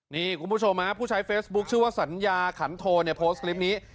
นี่คุณผู้ชมฮะผู้ใช้เฟซบุ๊คชื่อว่าสัญญาขันโทเนี่ยโพสต์คลิปนี้